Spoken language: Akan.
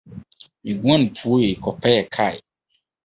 Miguan puee kɔpɛɛ kai